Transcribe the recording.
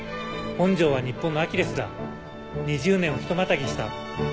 本庄は日本のアキレスだ２０年をひとまたぎした。